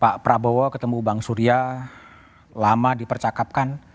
pak prabowo ketemu bang surya lama dipercakapkan